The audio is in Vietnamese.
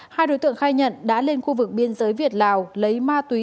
hai đối tượng khai nhận đã lên khu vực biên giới việt lào lấy ma túy